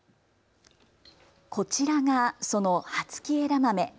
こちらがその葉付き枝豆。